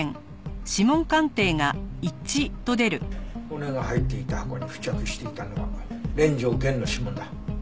骨が入っていた箱に付着していたのは連城源の指紋だ。